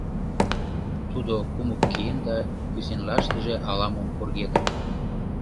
Тудо кумык киен да кӱсенлаштыже ала-мом пургедын.